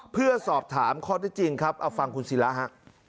เพื่อสอบถามข้อที่จริงครับเอาฟังคุณศิราฮะ